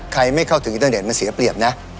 ไม่เข้าถึงอินเตอร์เน็ตมันเสียเปรียบนะ